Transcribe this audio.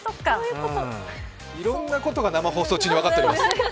いろんなことが生放送で分かってきます。